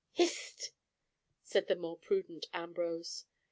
hist!" said the more prudent Ambrose.